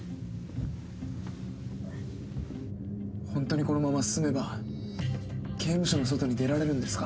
ホントにこのまま進めば刑務所の外に出られるんですか？